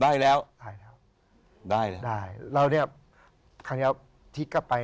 ได้แล้วได้แล้วได้แล้วได้เราเนี้ยครั้งเนี้ยพลิกกลับไป